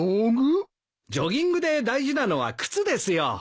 ジョギングで大事なのは靴ですよ。